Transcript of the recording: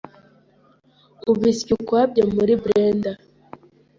ubisya ukwabyo muri blender